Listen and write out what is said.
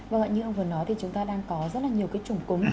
vâng ạ như ông vừa nói thì chúng ta đang có rất là nhiều cái chủng cúm